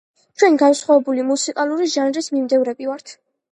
ჩვენ განსხვავებული მუსიკალური ჟანრის მიმდევრები ვართ.